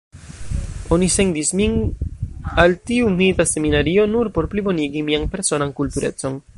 Oni sendis min al tiu mita seminario nur por plibonigi mian personan kulturecon.